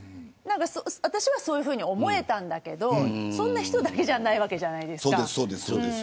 私は、そういうふうに思えたんだけどそんな人だけじゃないわけじゃないですか。